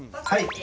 はい！